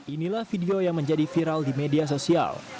inilah video yang menjadi viral di media sosial